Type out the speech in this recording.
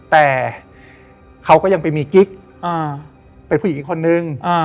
แต่เขาก็ยังไปมีกิ๊กเป็นผู้หญิงอีกคนนึง